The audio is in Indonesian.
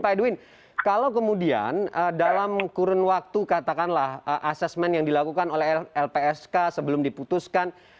pak edwin kalau kemudian dalam kurun waktu katakanlah asesmen yang dilakukan oleh lpsk sebelum diputuskan